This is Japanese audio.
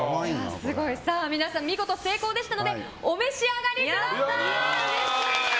皆さん見事成功でしたのでお召し上がりください。